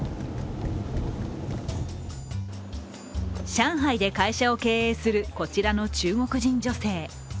上海で会社を経営するこちらの中国人女性。